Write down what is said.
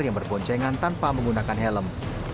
yang berboncengan tanpa menggunakan helm